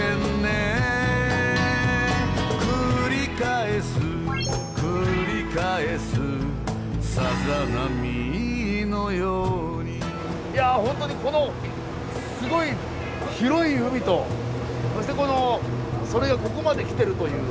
「くり返すくり返すさざ波のように」いやホントにこのすごい広い海とそしてこのそれがここまできてるという。